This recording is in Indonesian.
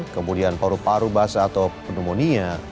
kemudian paru paru basah atau pneumonia